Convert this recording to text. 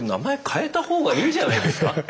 変えた方がいいんじゃないですか？